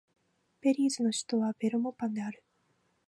ベリーズの首都はベルモパンである